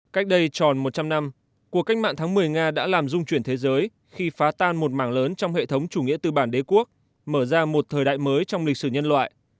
cách đây tròn một trăm linh năm cuộc cách mạng tháng một mươi nga đã làm dung chuyển thế giới khi phá tan một mảng lớn trong hệ thống chủ nghĩa tư bản đế quốc mở ra một thời đại mới trong lịch sử nhân loại